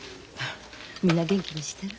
みんな元気にしてる？